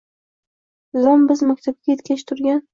Dadam biz maktabga ketgach turgan.